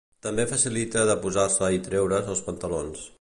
També facilita de posar-se i treure's els pantalons.